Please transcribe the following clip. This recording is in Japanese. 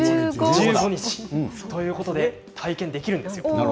１５。ということで体験できるんです。